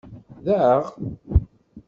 Daɣ?!